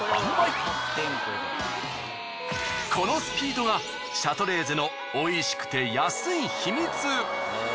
このスピードがシャトレーゼのおいしくて安い秘密。